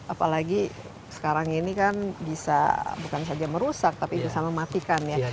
apalagi sekarang ini kan bisa bukan saja merusak tapi bisa mematikan ya